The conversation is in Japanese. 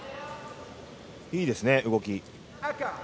いいですね、動き。